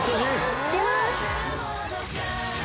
行きます。